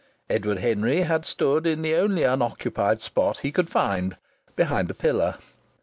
Edward Henry had stood in the only unoccupied spot he could find, behind a pillar.